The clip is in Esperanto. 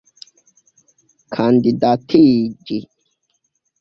kandidatiĝi